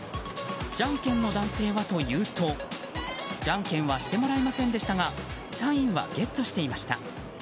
じゃんけんの男性はというとじゃんけんはしてもらえませんでしたがサインはゲットしていました。